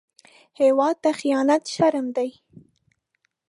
هېواد ته خيانت شرم دی